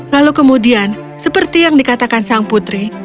lalu kemudian seperti yang dikatakan sang putri